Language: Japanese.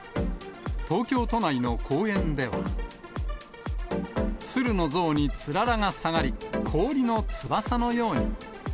東京都内の公園では、鶴の像につららが下がり、氷の翼のように。